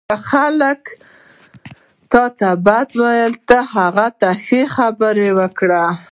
• که خلک تا ته بد وایي، ته هغوی ته ښې خبرې وکړه.